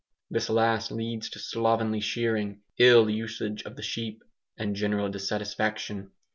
This last leads to slovenly shearing, ill usage of the sheep, and general dissatisfaction.